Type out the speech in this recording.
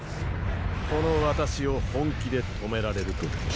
この私を本気で止められるとでも？